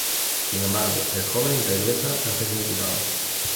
Sin embargo el joven regresa para ser ejecutado.